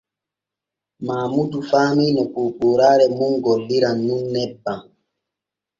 Maamudu faamii no poopooraare mum golliran nun nebban.